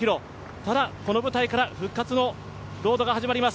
ただ、この舞台から復活のロードが始まります。